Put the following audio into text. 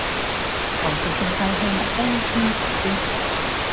唐朝盛世去埋西天取經